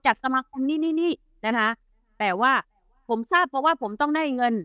สมาคมนี่นี่นะคะแต่ว่าผมทราบเพราะว่าผมต้องได้เงิน